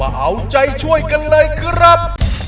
เอาใจช่วยกันเลยครับ